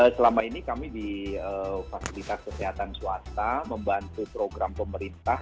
selama ini kami di fasilitas kesehatan swasta membantu program pemerintah